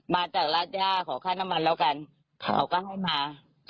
มาจากราชย่าขอค่าน้ำมันแล้วกันเขาก็ให้มา